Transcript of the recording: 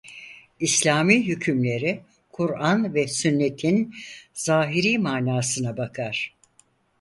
İslâmî hükümleri Kur'ân ve sünnetin zâhirî manasına bakar.